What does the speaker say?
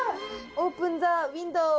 オープンザウインドー。